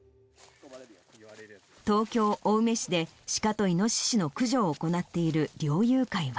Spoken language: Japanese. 東京・青梅市で、シカとイノシシの駆除を行っている猟友会は。